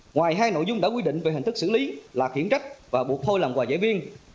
ngoài hai nội dung đã quy định về hình thức xử lý là khiển trách và buộc thôi làm hòa giải viên